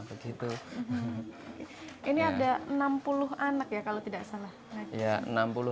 ini ada enam puluh anak ya kalau tidak salah